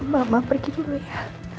mama pergi dulu ya